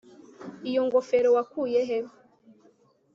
iyo ngofero wakuye he